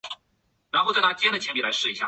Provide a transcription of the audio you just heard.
反而支持大英帝国。